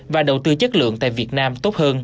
và đầu tư chất lượng tại việt nam tốt hơn